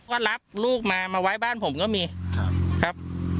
ก็รับลูกมามาไว้บ้านผมก็มีครับ